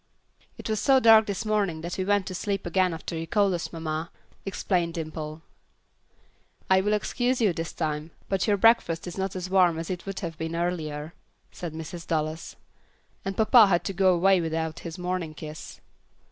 "It was so dark this morning that we went to sleep again after you called us, mamma," explained Dimple. "I will excuse you this time, but your breakfast is not as warm as it would have been earlier," said Mrs. Dallas, "and papa had to go away without his morning kiss."